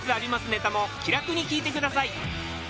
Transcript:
ネタも気楽に聞いてください